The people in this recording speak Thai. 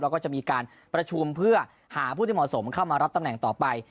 แล้วก็จะมีการประชุมเพื่อหาผู้ที่เหมาะสมเข้ามารับตำแหน่งต่อไป